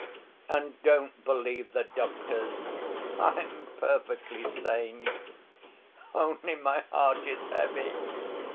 And don't believe the doctors. I am perfectly sane, only my heart is heavy.